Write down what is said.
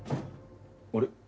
あれ？